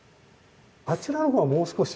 あちらのほうはもう少し。